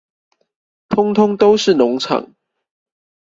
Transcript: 通通都是農場